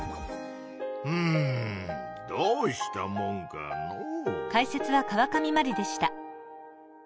うんどうしたもんかのう。